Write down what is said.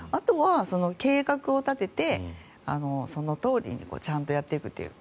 あとは計画を立ててそのとおりにちゃんとやっていくっていう。